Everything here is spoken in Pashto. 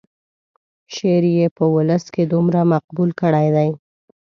شعر یې په ولس کې دومره مقبول کړی دی.